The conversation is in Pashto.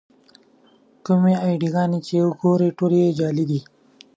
کومې اې ډي ګانې چې ګورئ ټولې یې جعلي دي.